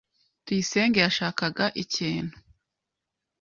Tuyisenge yashakaga ikintu.